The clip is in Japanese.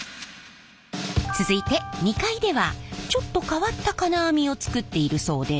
続いて２階ではちょっと変わった金網を作っているそうで。